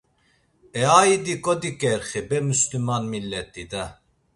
E a idi kodiǩerxi be musliman milet̆i da!